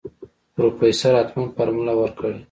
پروفيسر حتمن فارموله ورکړې.